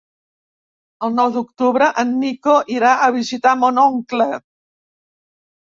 El nou d'octubre en Nico irà a visitar mon oncle.